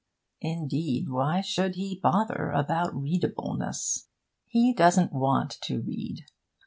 Indeed, why should he bother about readableness? He doesn't want to read.